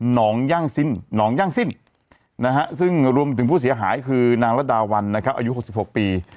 นรยรรยั่งสิ้นซึ่งรวมถึงผู้เสียหายคือนางราศดาวัณนะครับอายุ๖๖ปี